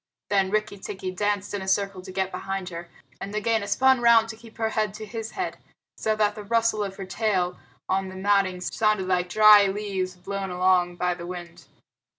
Then Rikki tikki danced in a circle to get behind her, and Nagaina spun round to keep her head to his head, so that the rustle of her tail on the matting sounded like dry leaves blown along by the wind.